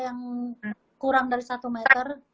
yang kurang dari satu meter